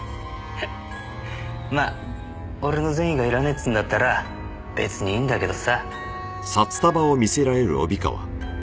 まあ俺の善意がいらねえっつうんだったら別にいいんだけどさ。